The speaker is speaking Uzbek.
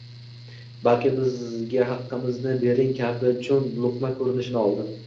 balki “bizga haqqimizni bering” kabi jo‘n luqma ko‘rinishini oldi.